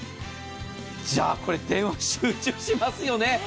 じゃ、これ電話集中しますよね。